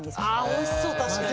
おいしそう確かに！